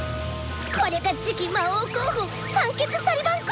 これが次期魔王候補三傑サリバン公！